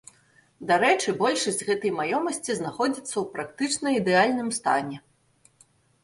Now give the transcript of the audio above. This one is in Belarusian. Дарэчы, большасць гэтай маёмасці знаходзіцца ў практычна ідэальным стане.